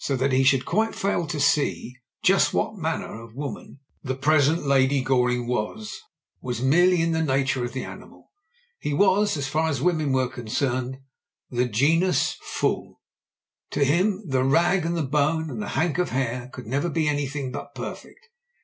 That he should quite fail tp see just what manner of woman 132 MEN, WOMEN AND GUNS • the present Lady Goring was, was merely in the nature of the animal. He was — ^as far as women were con cerned — of the genus f ooL To him "the rag, and the bone, and the hank of hair^' could never be anything but perfect.